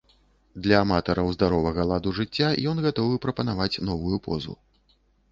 Для аматараў здаровага ладу жыцця ён гатовы прапанаваць новую позу.